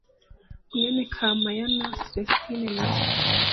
mwene kampayana celestin na